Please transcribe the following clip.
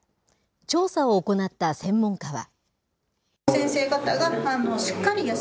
調査を行った専門家は。